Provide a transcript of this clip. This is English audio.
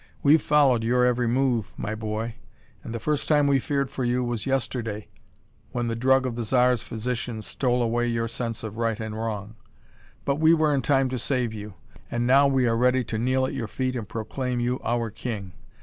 We've followed your every move, my boy, and the first time we feared for you was yesterday when the drug of the Zar's physician stole away your sense of right and wrong. But we were in time to save you, and now we are ready to kneel at your feet and proclaim you our king.